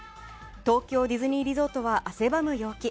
東京ディズニーリゾートは汗ばむ陽気。